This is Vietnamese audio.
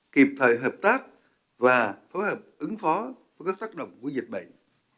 kịp thời hợp tác và phối hợp ứng phó với các tác động của dịch bệnh